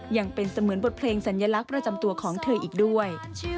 ยังเป็นเสมือนบทเพลงสัญลักษณ์ประจำตัวของเธออีกด้วย